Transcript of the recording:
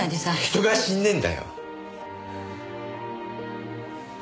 人が死んでんだよ。